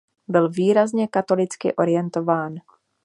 Byl výrazně katolicky orientován.